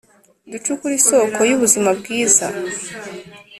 Ducukure isoko y’ubuzima bwiza